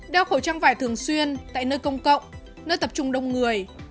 đeo khẩu trang vải thường xuyên tại nơi công cộng nơi tập trung đông người